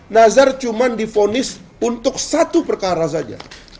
nazar cuma difonis untuk satu perkara saja